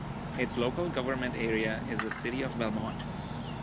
Its local government area is the City of Belmont.